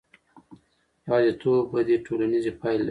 یوازیتوب بدې ټولنیزې پایلې لري.